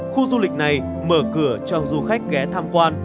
khu du lịch này mở cửa cho du khách ghé tham quan